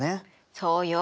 そうよ。